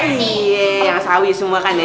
iya yang sawi semua kan ya